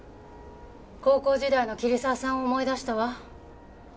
高校時代の桐沢さんを思い出したわ。